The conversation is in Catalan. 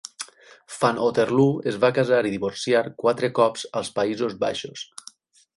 Van Otterloo es va casar i divorciar quatre cops als Països Baixos.